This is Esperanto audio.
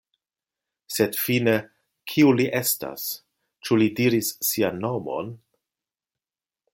Sed fine, kiu li estas? Ĉu li diris sian nomon?